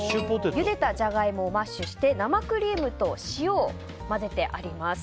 ゆでたジャガイモをマッシュして生クリームと塩を混ぜてあります。